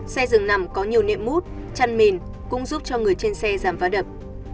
xe dừng nằm có nhiều nệm mút chăn mền cũng giúp cho người trên xe giảm phá đập